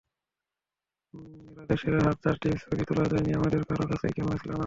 রাজৈরের হাঁস চারটির ছবি তোলা যায়নি, আমাদের কারও কাছেই ক্যামেরা ছিল না।